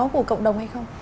của cộng đồng hay không